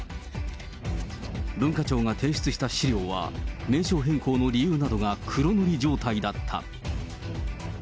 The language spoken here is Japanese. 文化庁が提出した資料は、名称変更の理由などが黒塗り状態だった。